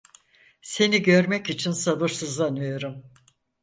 Seni görmek için sabırsızlanıyorum.